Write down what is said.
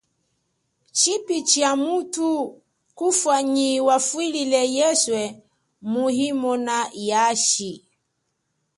Tshipi tsha muthu kufa nyi wafile yeswe muimona yashi.